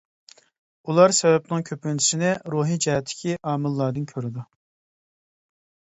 ئۇلار سەۋەبنىڭ كۆپىنچىسىنى روھىي جەھەتتىكى ئامىللاردىن كۆرىدۇ.